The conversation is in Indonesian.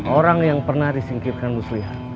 orang yang pernah disingkirkan muslihat